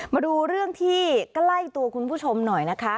มาดูเรื่องที่ใกล้ตัวคุณผู้ชมหน่อยนะคะ